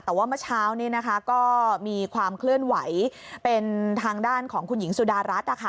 แต่ว่าเมื่อเช้านี้ก็มีความเคลื่อนไหวเป็นทางด้านของคุณหญิงสุดารัฐ